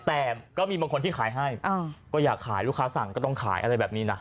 แต่ก็มีบางคนที่ขายให้ก็อยากขายลูกค้าสั่งก็ต้องขายอะไรแบบนี้นะ